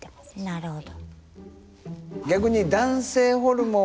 なるほど。